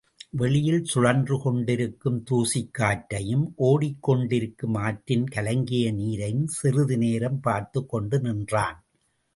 வெளியில் சுழன்று கொண்டிருக்கும் தூசிக் காற்றையும் ஓடிக்கொண்டிருக்கும் ஆற்றின் கலங்கிய நீரையும் சிறிது நேரம் பார்த்துக் கொண்டு நின்றான்.